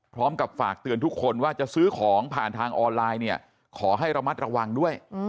ฝากเตือนทุกคนว่าจะซื้อของผ่านทางออนไลน์เนี่ยขอให้ระมัดระวังด้วย